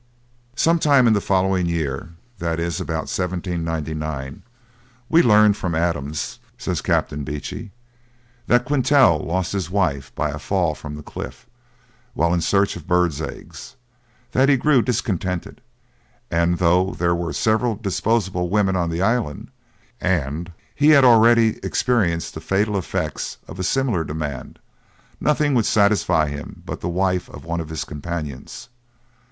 Some time in the following year, that is, about 1799, 'we learned from Adams,' says Captain Beechey, 'that Quintal lost his wife by a fall from the cliff, while in search of birds' eggs; that he grew discontented, and, though there were several disposable women on the island, and he had already experienced the fatal effects of a similar demand, nothing would satisfy him but the wife of one of his companions.